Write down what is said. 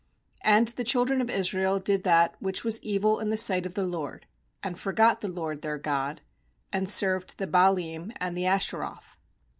7And the children of Israel did that which was evil in the sight of the LORD, and forgot the LORD their God, and served the Baalim and the Ashe roth.